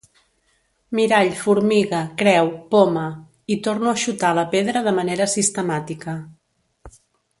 «mirall, formiga, creu, poma» i torno a xutar la pedra de manera sistemàtica.